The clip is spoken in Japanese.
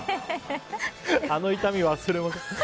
あの痛みは忘れません。